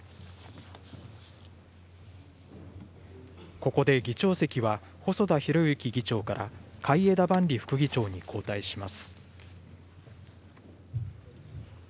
ここで議長席は細田博之議長から、海江田万里副議長に交代します。